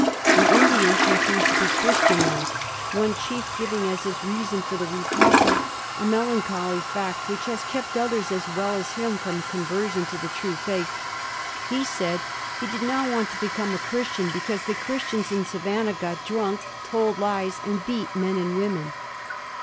The Indians refused to be Christianized; one chief giving as his reason for the refusal a melancholy fact which has kept others as well as him from conversion to the true faith. He said he did not want to become a Christian because the Christians in Savannah got drunk, told lies, and beat men and women.